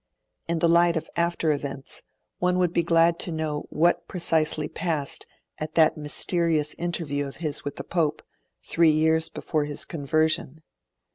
In the light of after events, one would be glad to know what precisely passed at that mysterious interview of his with the Pope, three years before his conversion.